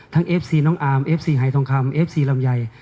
เอฟซีน้องอาร์มเอฟซีหายทองคำเอฟซีลำไย